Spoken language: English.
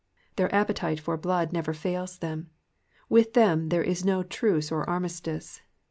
Their appetite for blood never fails them. With them there is no truce or armistice.